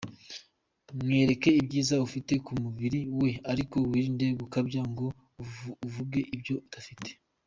Mwereke ibyiza afite ku mubiri we ariko wirinde gukabya ngo uvuge ibyo adafite.